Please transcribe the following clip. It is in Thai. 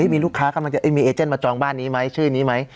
มีลูกค้ากำลังจะมีเอเจนมาจองบ้านนี้ไหมชื่อนี้ไหม